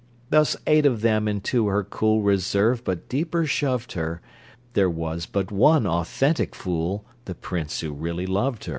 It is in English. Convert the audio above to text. Thus eight of them into her cool Reserve but deeper shoved her: There was but one authentic fool The prince who really loved her!